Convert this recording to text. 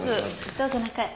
どうぞ中へ。